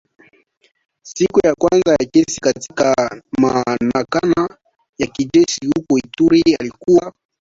Siku ya kwanza ya kesi katika mahakama ya kijeshi huko Ituri iliwatambua washtakiwa na silaha zilizonaswa ambazo ni bunduki na mamia ya risasi.